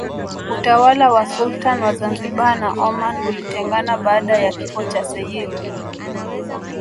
Utawala wa Sultan wa Zanzibar na Oman ulitengana baada ya kifo cha Seyyid